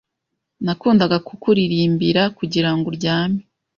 Nakundaga kukuririmbira kugirango uryame.